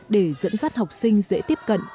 để dẫn dắt học sinh vào lớp học